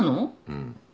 うん。